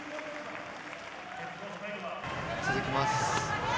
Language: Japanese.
続きます。